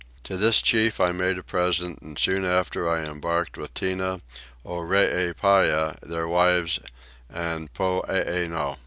To this chief I made a present and soon after I embarked with Tinah, Oreepyah, their wives, and Poeeno.